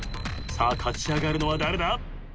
さあ勝ち上がるのは誰だ？